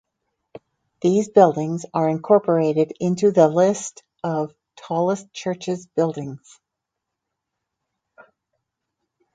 These buildings are incorporated into the list of tallest churches buildings.